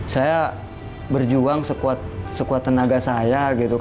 saya berjuang sekuat tenaga saya